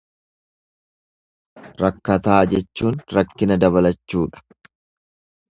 Rakkataa jechuun rakkina dabalachuudha.